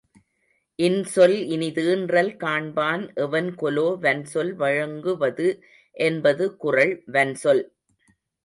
இன்சொல் இனிதீன்றல் காண்பான் எவன்கொலோ வன்சொல் வழங்கு வது என்பது குறள் வன்சொல்.